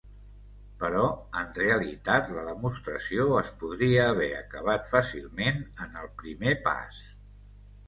Però en realitat la demostració es podria haver acabat fàcilment en el primer pas.